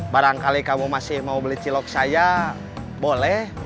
barangkali kamu masih mau beli cilok saya boleh